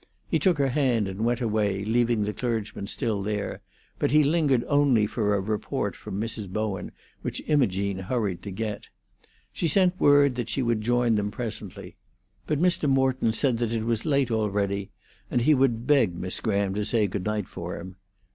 He took her hand and went away, leaving the clergyman still there; but he lingered only for a report from Mrs. Bowen, which Imogene hurried to get. She sent word that she would join them presently. But Mr. Morton said that it was late already, and he would beg Miss Graham to say good night for him.